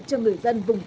cho người dân vùng cao